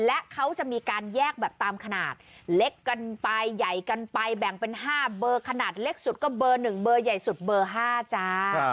และเขาจะมีการแยกแบบตามขนาดเล็กกันไปใหญ่กันไปแบ่งเป็น๕เบอร์ขนาดเล็กสุดก็เบอร์๑เบอร์ใหญ่สุดเบอร์๕จ้า